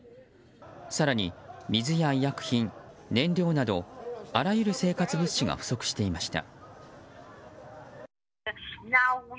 更に水や医薬品、燃料などあらゆる生活物資が不足していました。